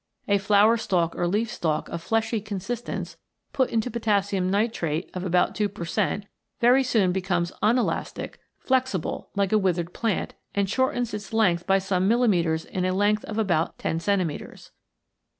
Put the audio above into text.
A flower stalk or leaf stalk of fleshy consistence put into potassium nitrate of about 2 per cent very soon becomes unelastic, flexible, like a withered plant, and shortens its length by some millimetres in a length of about 10 centimetres.